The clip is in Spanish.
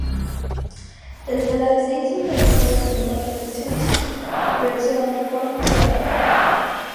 El voladizo del Estadio tiene cuatro secciones, pero sólo hay un córner cerrado.